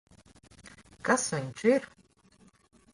Kas viņš ir?